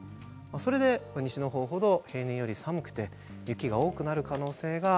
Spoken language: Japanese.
それで西の方ほど平年より寒くて雪が多くなる可能性があるんですね。